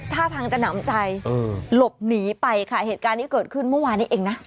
ท่าทางจะหนำใจหลบหนีไปค่ะเหตุการณ์นี้เกิดขึ้นเมื่อวานนี้เองนะ